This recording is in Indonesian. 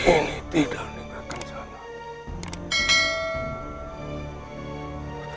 aku ingin tidak meninggalkan jalan